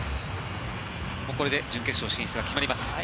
これで準決勝進出が決まります。